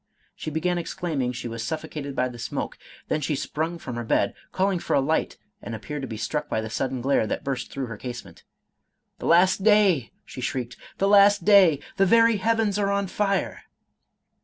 She began exclaiming she was suffocated by the smoke; then she sprung from her bed, calling for a light, and appeared to be struck by the sudden glare that burst through her casement. —" The last day," she shrieked, " The last day I The very heavens are on fire